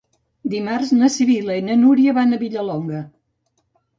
Dimarts na Sibil·la i na Núria van a Vilallonga.